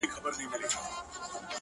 سم لكه ماهى يو سمندر تر ملا تړلى يم;